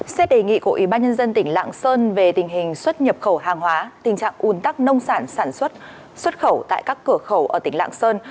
xét đề nghị của ubnd tỉnh lạng sơn về tình hình xuất nhập khẩu hàng hóa tình trạng un tắc nông sản sản xuất xuất khẩu tại các cửa khẩu ở tỉnh lạng sơn